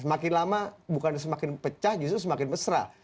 semakin lama bukan semakin pecah justru semakin mesra